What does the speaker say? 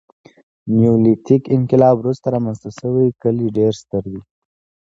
نیولیتیک انقلاب وروسته رامنځته شوي کلي ډېر ستر دي.